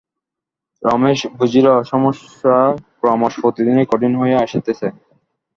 রমেশ বুঝিল, সমস্যা ক্রমশ প্রতিদিনই কঠিন হইয়া আসিতেছে।